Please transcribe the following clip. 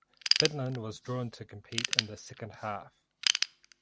Finland was drawn to compete in the second half.